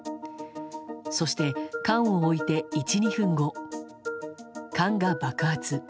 そして缶を置いて１２分後、缶が爆発。